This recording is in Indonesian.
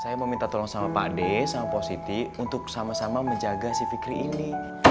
saya meminta tolong sama pade sama positi untuk sama sama menjaga si fikri ini